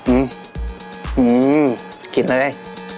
อืมอืมกินเลย